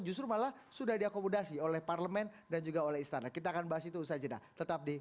justru malah sudah diakomodasi oleh parlemen dan juga oleh istana kita akan bahas itu usaha jenah tetap di